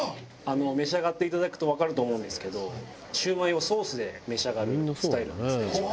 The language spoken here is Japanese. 召し上がっていただくとわかると思うんですけどシュウマイをソースで召し上がるスタイルなんですねうちは。